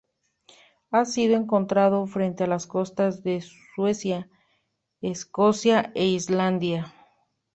Ha sido encontrado frente a las costas de Suecia, Escocia e Islandia.